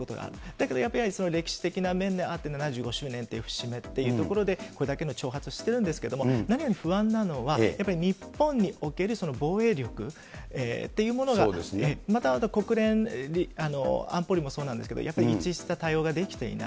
だけどやっぱり、そういう歴史的な面で７５周年っていう節目っていうところで、これだけの挑発してるんですけれども、何より不安なのは、やっぱり日本における防衛力っていうものが、また国連安保理もそうなんですけど、やっぱり一致した対応ができていない。